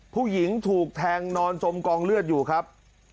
ผู้หญิงถูกแทงนอนจมกองเลือดอยู่ครับ